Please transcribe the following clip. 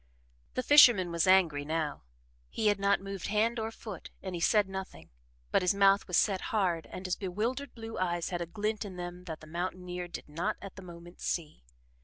The fisherman was angry now. He had not moved hand or foot and he said nothing, but his mouth was set hard and his bewildered blue eyes had a glint in them that the mountaineer did not at the moment see.